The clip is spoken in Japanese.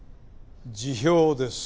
辞表です。